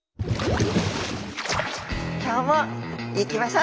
今日も行きましょう！